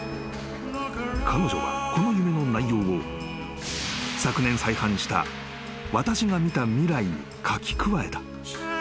［彼女はこの夢の内容を昨年再販した『私が見た未来』に］